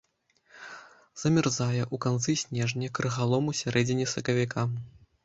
Замярзае ў канцы снежня, крыгалом у сярэдзіне сакавіка.